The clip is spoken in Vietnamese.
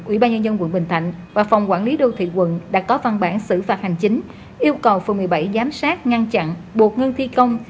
ủy ban nhân dân quận bình thạnh và phòng quản lý đô thị quận đã có văn bản xử phạt hành chính yêu cầu phường một mươi bảy giám sát ngăn chặn buộc ngưng thi công